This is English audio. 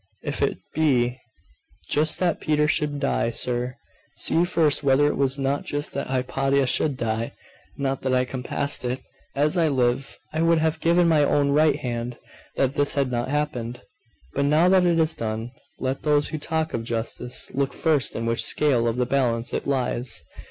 If it be just that Peter should die, sir, see first whether it was not just that Hypatia should die. Not that I compassed it. As I live, I would have given my own right hand that this had not happened! But now that it is done let those who talk of justice look first in which scale of the balance it lies!